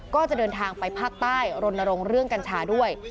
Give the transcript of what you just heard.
ก็จะเดินทางไปภาคใต้รณรงค์เรื่องกัญชาด้วย